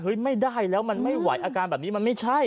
ไม่ได้แล้วมันไม่ไหวอาการแบบนี้มันไม่ใช่